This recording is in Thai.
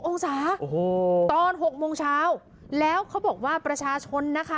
องศาโอ้โหตอน๖โมงเช้าแล้วเขาบอกว่าประชาชนนะคะ